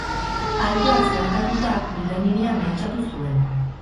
Alpeak zeharkatuta, Milan hiria mehatxatu zuen.